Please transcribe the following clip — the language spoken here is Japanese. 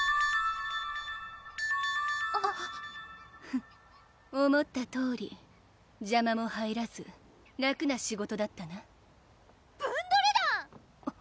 フッ思ったとおり邪魔も入らず楽な仕事だったなブンドル団！